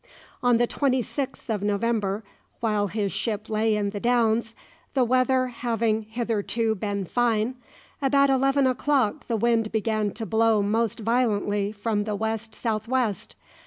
On the 26th of November, while his ship lay in the Downs the weather having hitherto been fine about eleven o'clock, the wind began to blow most violently from the West South West.